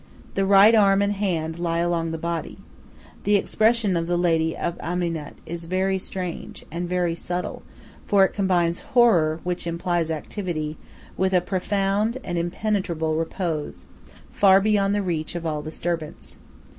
The right arm and hand lie along the body. The expression of "the lady Amanit" is very strange, and very subtle; for it combines horror which implies activity with a profound, an impenetrable repose, far beyond the reach of all disturbance.